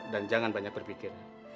dan jangan banyak berpikir